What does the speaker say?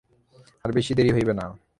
আর বেশি দেরি হইবে না।